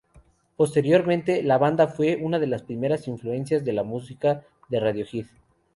Posteriormente, la banda fue una de las primeras influencias en la música de Radiohead.